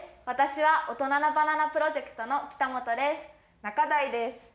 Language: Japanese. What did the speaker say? わたしは大人なバナナプロジェクトの北本です。